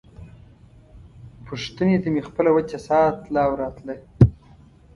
پوښتنې ته مې خپله وچه ساه تله او راتله.